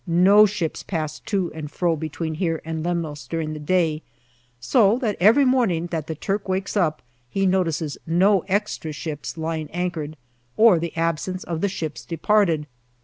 No ships pass to and fro between here and Lemnos during the day, so that every morning that the Turk wakes up he notices no 294 GALLIPOLI DIARY extra ships lying anchored or the absence of the ships departed.